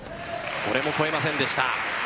これも越えませんでした。